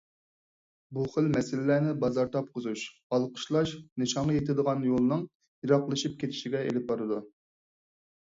بۇخىل مەسىلىلەرنى بازار تاپقۇزۇش، ئالقىشلاش نىشانغا يېتىدىغان يولنىڭ يېراقلىشىپ كېتىشىگە ئېلىپ بارىدۇ.